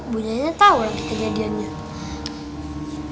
apa orang kejadiannya